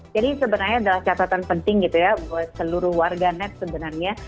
jadi sebenarnya adalah catatan penting gitu ya buat seluruh warganet sebenarnya